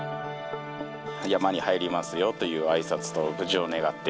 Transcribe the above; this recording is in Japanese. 山に入りますよというあいさつと、無事を願って。